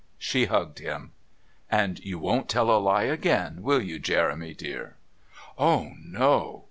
She hugged him. "And you won't tell a lie again, will you, Jeremy, dear?" "Oh, no!"